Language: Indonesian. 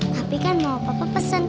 tapi kan mau papa pesen